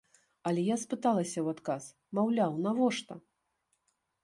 Але я спыталася ў адказ, маўляў, навошта?